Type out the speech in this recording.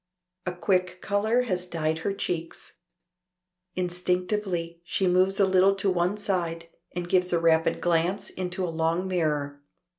A quick color has dyed her cheeks; instinctively she moves a little to one side and gives a rapid glance into a long mirror.